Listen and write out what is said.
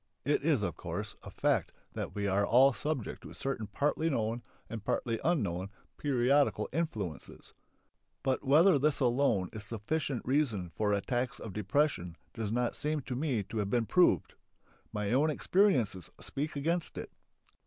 It is, of course, a fact that we are all subject to certain partly known and partly unknown periodical influences. But whether this alone is sufficient reason for attacks of depression does not seem to me to have been proved. My own experiences speak against it.